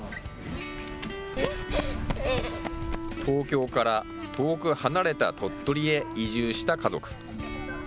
東京から遠く離れた鳥取へ移住した家族。